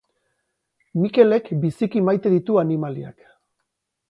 Mikelek biziki maite ditu animaliak